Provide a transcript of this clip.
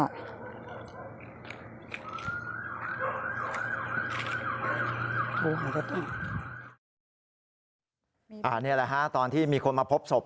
นี่แหละฮะตอนที่มีคนมาพบศพ